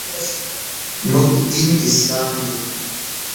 موږ دین اسلام دی .